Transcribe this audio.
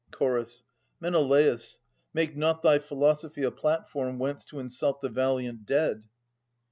Ch. Menelatis, make not thy philosophy A platform whence to insult the valiant dead.